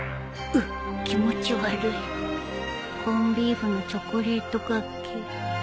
うっ気持ち悪いコンビーフのチョコレート掛けゲエエ